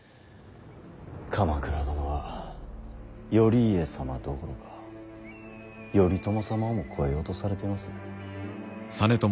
鎌倉殿は頼家様どころか頼朝様をも超えようとされています。